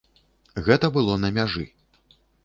Гэта было на мяжы.